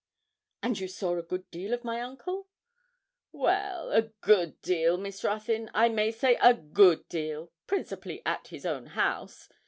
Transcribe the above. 'And you saw a good deal of my uncle?' 'Well, a good deal, Miss Ruthyn I may say a good deal principally at his own house.